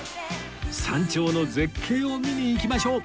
山頂の絶景を見に行きましょう！